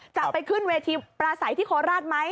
จะไปขึ้นเวทีปลาใสที่โคราชไหม